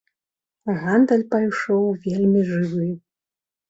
Гандаль пайшоў вельмі жывы.